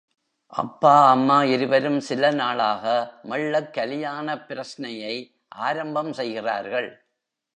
அப்பா அம்மா இருவரும் சில நாளாக மெள்ளக் கலியாணப் பிரச்னையை ஆரம்பம் செய்கிறார்கள்.